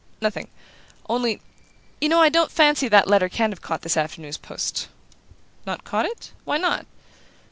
"Nothing. Only you know I don't fancy that letter can have caught this afternoon's post." "Not caught it? Why not?"